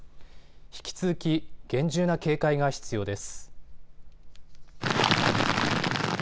引き続き厳重な警戒が必要です。